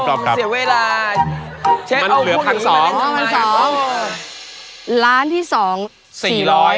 ร้านที่๒